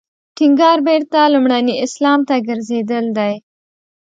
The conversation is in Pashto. ټینګار بېرته لومړني اسلام ته ګرځېدل دی.